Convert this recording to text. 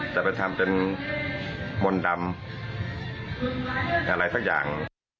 จะไปทำเป็นมนต์ดำอะไรสักอย่าง